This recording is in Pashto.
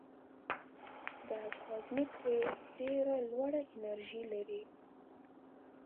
د کاسمک رې ډېره لوړه انرژي لري.